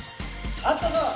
・あったぞ！